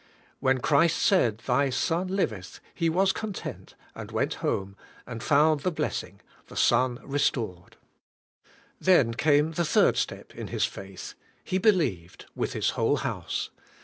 When Christ said, "Thy son liveth," he was content, and went home, and found the bless ing — the son restored. Then came the third step in his faith. He be lieved with his whole house.